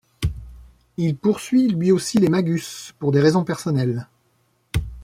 Il poursuit lui aussi les Magus, pour des raisons personnelles...